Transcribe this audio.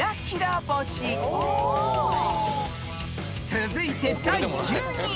［続いて第１２位］